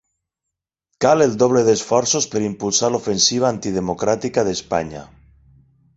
Cal el doble d'esforços per impulsar l'ofensiva antidemocràtica d'Espanya.